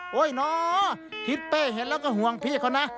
เนาะทิศเป้เห็นแล้วก็ห่วงพี่เขานะ